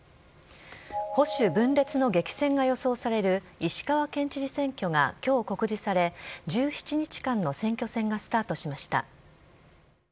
保守分裂の激戦が予想される石川県知事選挙が今日告示され１７日間の選挙戦がスタートしました。